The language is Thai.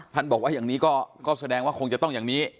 บอกว่าอย่างนี้ก็แสดงว่าคงจะต้องอย่างนี้